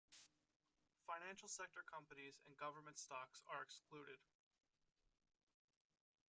Financial sector companies and government stocks are excluded.